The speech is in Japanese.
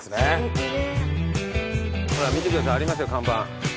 ほら見てくださいありますよ看板。